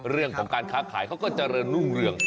เรื่องของการค้าขายเขาก็เจริญรุ่งเรือง